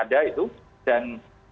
ada itu dan